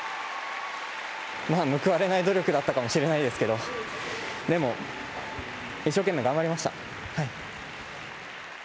報われない努力だったかもしれないですけれども、でも、一生懸命頑張りました。